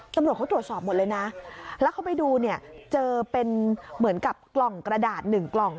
ตำรวจเขาตรวจสอบหมดเลยนะแล้วเขาไปดูเนี่ยเจอเป็นเหมือนกับกล่องกระดาษหนึ่งกล่อง